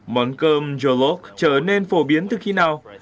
món cơm robot trở nên phổ biến từ khi nào